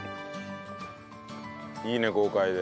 いいね豪快で。